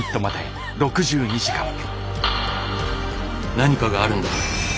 何かがあるんだ。